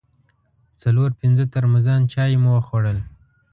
څلور پنځه ترموزان چای مو وخوړل.